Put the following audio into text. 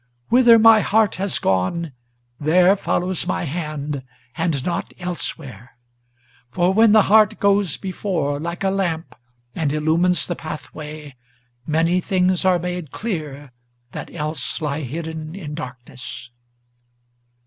Whither my heart has gone, there follows my hand, and not elsewhere. For when the heart goes before, like a lamp, and illumines the pathway, Many things are made clear, that else lie hidden in darkness."